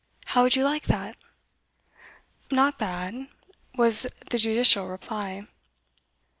How would you like that?' 'Not bad,' was the judicial reply.